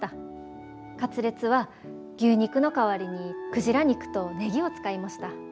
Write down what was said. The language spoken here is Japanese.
カツレツは牛肉の代わりにクジラ肉とネギを使いました。